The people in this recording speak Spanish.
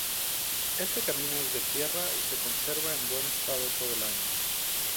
Este camino es de tierra y se conserva en buen estado todo el año.